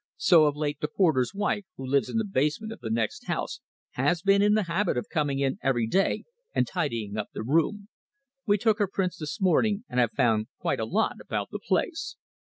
"So of late the porter's wife, who lives in the basement of the next house, has been in the habit of coming in every day and tidying up the room. We took her prints this morning, and have found quite a lot about the place.